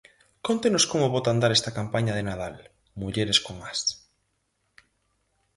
Cóntenos como bota a andar esta campaña de Nadal, Mulleres con ás.